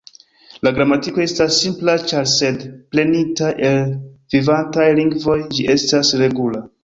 La gramatiko estas simpla, ĉar sed prenita el vivantaj lingvoj, ĝi estas regula.